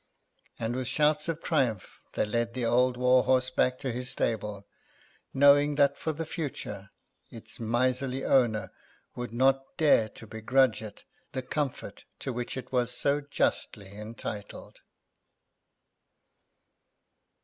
And with shouts of triumph they led the old war horse back to his stable, knowing that for the future its miserly owner would not dare to begrudge it the comfort to which it was so justly entitled.